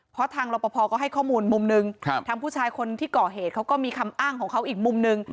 เพราะทางรปภก็ให้ข้อมูลมุมหนึ่งทางผู้ชายคนที่ก่อเหตุเขาก็มีคำอ้างของเขาอีกมุมนึง